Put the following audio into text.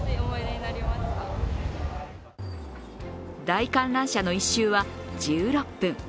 大観覧車の１周は１６分。